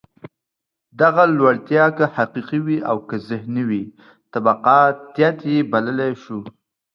دغه لوړتیا که حقیقي وي او که ذهني وي، طبقاتيت یې بللای شو.